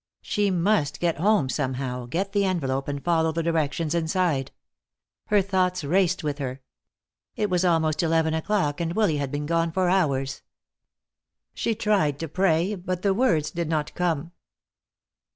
She must get home somehow, get the envelope and follow the directions inside. Her thoughts raced with her. It was almost eleven o'clock and Willy had been gone for hours. She tried to pray, but the words did not come.